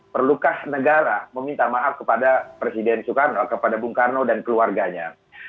perlukah negara meminta maaf kepada presiden soekarno kepada bung karno dan keluarganya